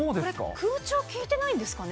空調効いてないんですかね。